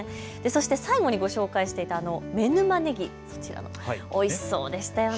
最後にご紹介していた妻沼ねぎ、おいしそうでしたよね。